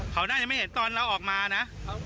เขาน่าจะไม่เห็นตอนเราออกมานะ